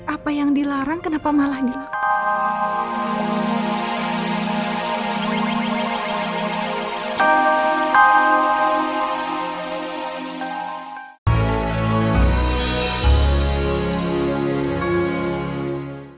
apa yang dilarang kenapa malah dilakukan